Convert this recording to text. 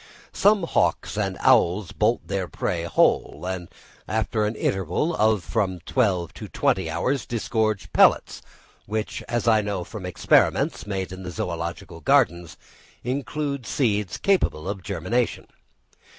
Some hawks and owls bolt their prey whole, and after an interval of from twelve to twenty hours, disgorge pellets, which, as I know from experiments made in the Zoological Gardens, include seeds capable of germination.